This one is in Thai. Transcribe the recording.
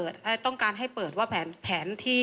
สถานการณ์จะไม่ไปจนถึงขั้นนั้นครับ